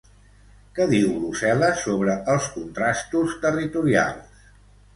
Què diu Brussel·les sobre els contrastos territorials?